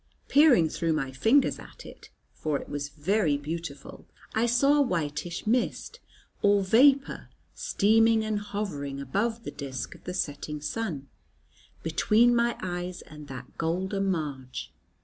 Peering through my fingers at it, for it was very beautiful, I saw a whitish mist or vapour steaming and hovering above the disk of the setting sun, between my eyes and that golden marge.